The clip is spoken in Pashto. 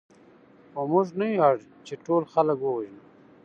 خو موږ نه یو اړ چې ټول خلک ووژنو